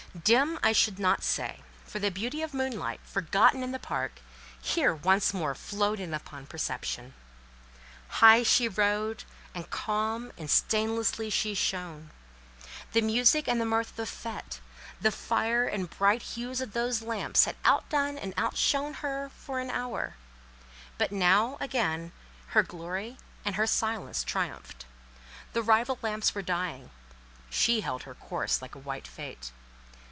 Dim I should not say, for the beauty of moonlight—forgotten in the park—here once more flowed in upon perception. High she rode, and calm and stainlessly she shone. The music and the mirth of the fête, the fire and bright hues of those lamps had out done and out shone her for an hour, but now, again, her glory and her silence triumphed. The rival lamps were dying: she held her course like a white fate.